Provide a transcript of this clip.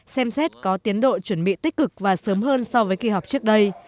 xem xét có tiến độ chuẩn bị tích cực và sớm hơn so với kỳ họp trước đây